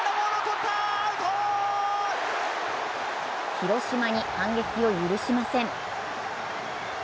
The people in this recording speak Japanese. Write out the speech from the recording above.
広島に反撃を許しません。